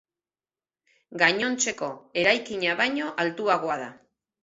Gainontzeko eraikina baino altuagoa da.